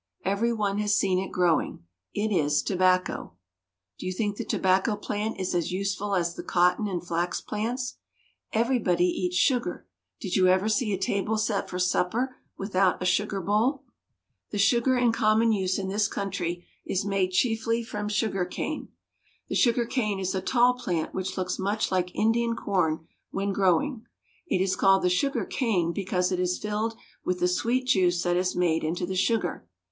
Every one has seen it growing. It is tobacco. Do you think the tobacco plant is as useful as the cotton and flax plants? Everybody eats sugar. Did you ever see a table set for supper without a sugar bowl? [Illustration: "SUGAR CANE IS A TALL PLANT."] The sugar in common use in this country is made chiefly from sugar cane. The sugar cane is a tall plant which looks much like Indian corn when growing. It is called the sugar cane because it is filled with the sweet juice that is made into the sugar.